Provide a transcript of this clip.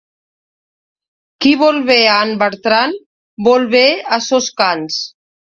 Qui vol bé a en Bertran, vol bé a sos cans.